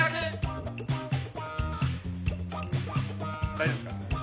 大丈夫ですか？